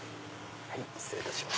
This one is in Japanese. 失礼いたします。